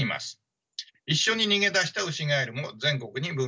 一緒に逃げ出したウシガエルも全国に分布を広げています。